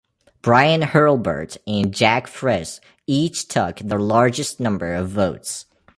Brian Hurlburt and Jack Fris each took the largest number of votes.